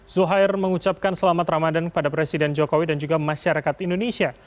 zuhair mengucapkan selamat ramadan kepada presiden jokowi dan juga masyarakat indonesia